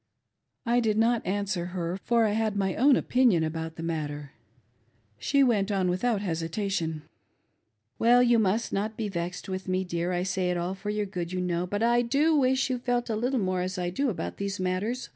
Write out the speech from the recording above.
I did not answer her, for I had my own opinion about the matter. She went on without hesitation :" Well, you must not be vexed \yith me, dear ; I say it ajl for your good, yoi| know ; but I do w:ish you felt a little more as I do about these matters.